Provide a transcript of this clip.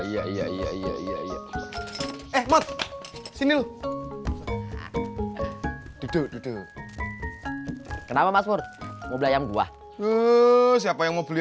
iya iya iya iya iya eh sini duduk duduk kenapa masur mau beli ayam gua tuh siapa yang mau beli